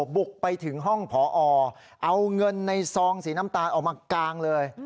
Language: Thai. บุกไปถึงห้องพอเอาเงินในซองสีน้ำตาลออกมากางเลย